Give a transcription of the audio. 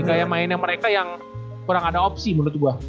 gaya mainnya mereka yang kurang ada opsi menurut gue